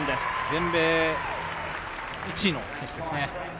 全米１位の選手ですね。